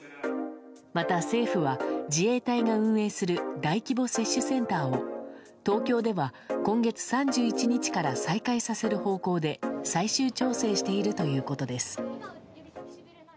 また政府は自衛隊が運営する大規模接種センターを東京では今月３１日から再開させる方向で最終調整しているということです。